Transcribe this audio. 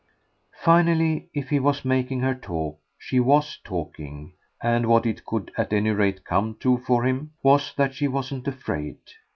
Finally, if he was making her talk she WAS talking, and what it could at any rate come to for him was that she wasn't afraid.